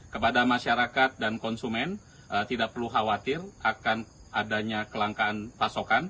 kepada masyarakat dan konsumen tidak perlu khawatir akan adanya kelangkaan pasokan